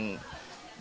di daerah pemukiman